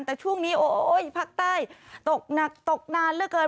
แต่ช่วงนี้โอ้ยภาคใต้ตกหนักตกนานเหลือเกิน